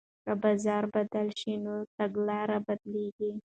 که بازار بدل شي نو تګلاره بدلیږي.